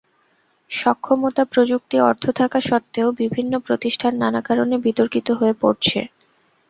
সক্ষমতা, প্রযুক্তি, অর্থ থাকা সত্ত্বেও বিভিন্ন প্রতিষ্ঠান নানা কারণে বিতর্কিত হয়ে পড়ছে।